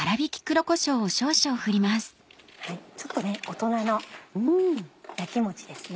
ちょっと大人の焼きもちですね。